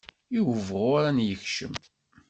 I ubɣur ad n-yekcem.